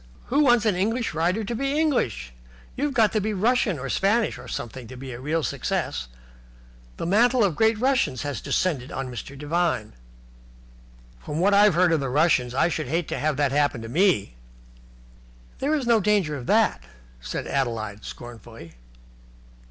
Who wants an English writer to be English? You've got to be Russian or Spanish or something to be a real success. The mantle of the great Russians has descended on Mr. Devine." "From what I've heard of Russians, I should hate to have that happen to me." "There is no danger of that," said Adeline scornfully.